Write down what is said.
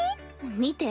見て。